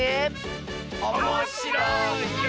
おもしろいよ！